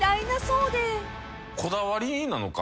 こだわりなのか？